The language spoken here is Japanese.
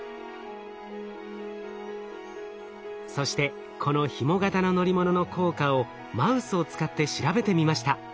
そしてこのひも型の乗り物の効果をマウスを使って調べてみました。